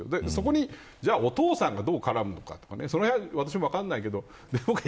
そこにお父さんがどう絡むのかとかそのへんは私も分からないけど。